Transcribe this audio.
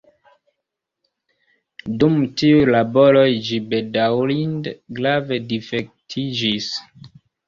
Dum tiuj laboroj ĝi bedaŭrinde grave difektiĝis.